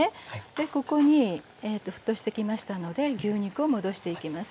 でここに沸騰してきましたので牛肉を戻していきます。